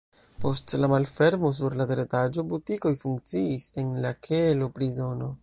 Post la malfermo sur la teretaĝo butikoj funkciis, en la kelo prizono.